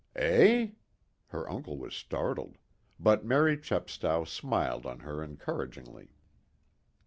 "Eh?" Her uncle was startled; but Mary Chepstow smiled on her encouragingly.